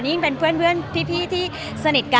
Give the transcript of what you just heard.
ยิ่งเป็นเพื่อนพี่ที่สนิทกัน